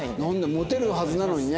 モテるはずなのにね。